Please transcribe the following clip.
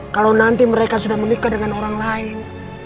kalau nanti mereka sudah menikah dengan orang lain